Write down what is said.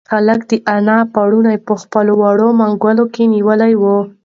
هلک د انا پړونی په خپلو وړو منگولو کې نیولی و.